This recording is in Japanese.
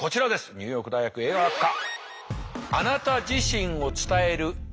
ニューヨーク大学映画学科。